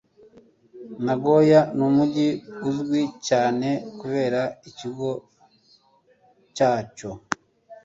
Nagoya n'umujyi uzwi cyane kubera ikigo cyacyo.